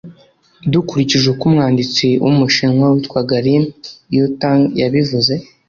dukurikije uko umwanditsi w’umushinwa witwaga lin yutang yabivuze